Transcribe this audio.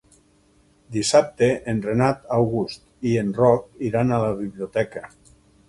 Dissabte en Renat August i en Roc iran a la biblioteca.